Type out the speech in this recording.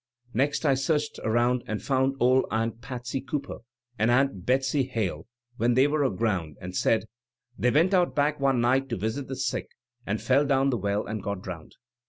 Next I searched aroimd and found old Aunt Patsy Cooper and Aunt Betsy Hale where they were aground, and said, *they went out back one night to visit the sick and fell down the well and got drowned.'